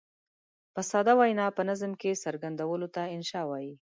په ساده وینا په نظم کې څرګندولو ته انشأ وايي.